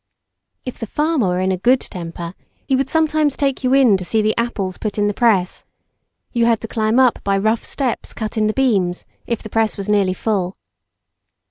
If the farmer were in a good temper, he would sometimes take you in to see the apples put in the press; you had to climb up by rough steps cut in the beams if the press was nearly full.